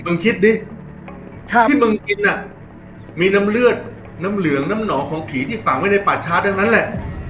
คิดดิที่มึงกินน่ะมีน้ำเลือดน้ำเหลืองน้ำหอของผีที่ฝังไว้ในป่าช้าทั้งนั้นแหละ